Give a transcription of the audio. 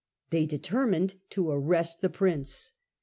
They determined to arrest the Prince.